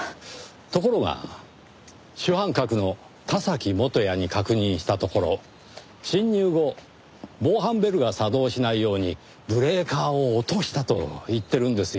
ところが主犯格の田崎元哉に確認したところ侵入後防犯ベルが作動しないようにブレーカーを落としたと言ってるんですよ。